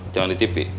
jangan di tv